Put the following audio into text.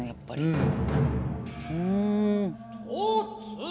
うん。